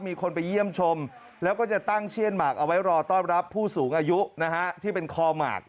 มีคนไปเยี่ยมชมแล้วก็จะตั้งเชื่อนหมากเอาไว้รอต้อนรับผู้สูงอายุนะฮะที่เป็นคอหมาก